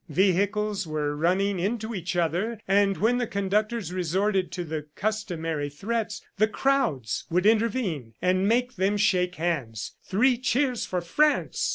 Vehicles were running into each other, and when the conductors resorted to the customary threats, the crowds would intervene and make them shake hands. "Three cheers for France!"